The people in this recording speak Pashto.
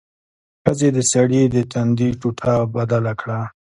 ښځې د سړي د تندي ټوټه بدله کړه.